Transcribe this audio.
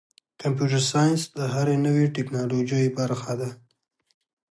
کمپیوټر ساینس د هرې نوې ټکنالوژۍ برخه ده.